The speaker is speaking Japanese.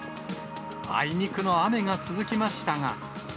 あいにくの雨が続きましたが。